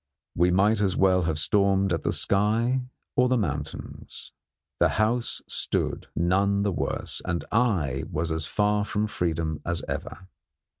We might as well have stormed at the sky or the mountains. The house stood, none the worse, and I was as far from freedom as ever.